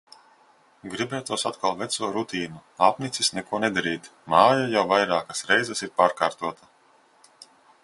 Gribētos atkal veco rutīnu. Apnicis neko nedarīt. Māja jau vairākas reizes ir pārkārtota.